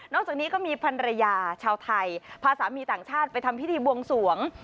จากนี้ก็มีพันรยาชาวไทยพาสามีต่างชาติไปทำพิธีบวงสวง